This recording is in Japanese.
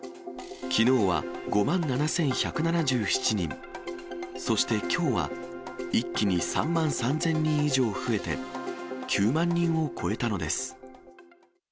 きのうは５万７１７７人、そしてきょうは、一気に３万３０００人以上増えて、９万人を超えたのです。